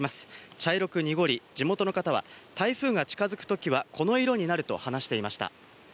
茶色く濁り、地元の方は、台風が近づくときは、この色になると話していました。